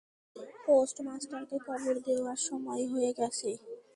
পোস্টমাস্টারকে কবর দেওয়ার সময় হয়ে গেছে।